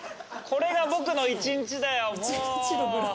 これが僕の一日だよ。